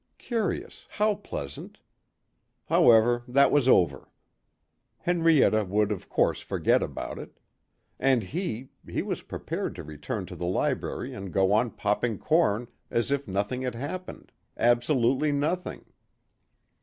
Curious, how pleasant. However, that was over. Henrietta would of course forget about it. And he, he was prepared to return to the library and go on popping corn as if nothing had happened, absolutely nothing.